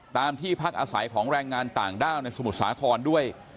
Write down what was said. ตามที่พักอาศัยของแรงงานต่างด้าวในสมุทรสาครด้วย